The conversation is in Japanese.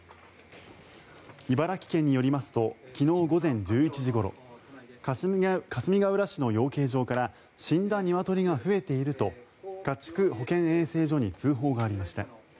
茨城県によりますと昨日午前１１時ごろかすみがうら市の養鶏場から死んだニワトリが増えていると家畜保健衛生所に通報がありました。